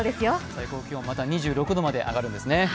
最高気温また２６度まで上がるんですね。